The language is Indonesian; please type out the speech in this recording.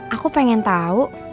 aku pengen tau